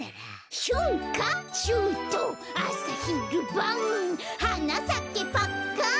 「しゅんかしゅうとうあさひるばん」「はなさけパッカン」